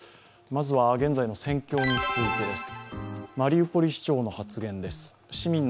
まずは、現在の戦況についてです。